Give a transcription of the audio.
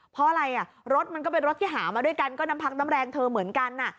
เพราะอะไรอ่ะรถมันก็เป็นรถที่หามาด้วยกันก็น้ำพักน้ำแรงเธอเหมือนกัน